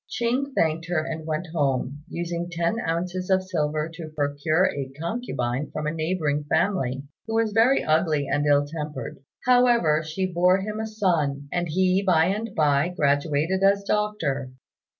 Ching thanked her and went home, using ten ounces of silver to procure a concubine from a neighbouring family, who was very ugly and ill tempered. However, she bore him a son, and he by and by graduated as doctor.